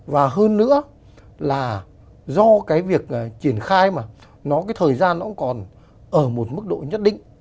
và hơn nữa là do việc triển khai thời gian nó còn ở một mức độ nhất định